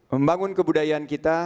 membangun kebudayaan kita